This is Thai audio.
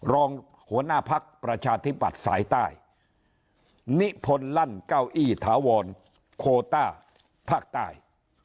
รองหัวหน้าพักประชาธิปัตย์สายใต้นิพลลั่นเก้าอี้ถาวรโคต้าภาคใต้